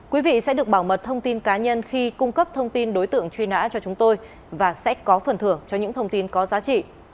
quý vị sẽ được bảo mật thông tin cá nhân khi cung cấp thông tin đối tượng truy nã cho chúng tôi và sẽ có phần thưởng cho những thông tin có giá trị